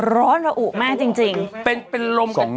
ร้อนระอุมากจริง